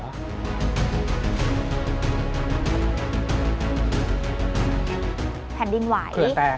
การพัดดันตัวไฟยังคงปัแพง